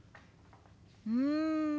うん。